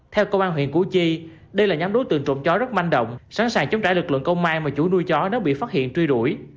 theo công an huyện củ chi đây là nhóm đối tượng trộm chó rất manh động sẵn sàng chống trả lực lượng công an và chủ nuôi chó đã bị phát hiện truy đuổi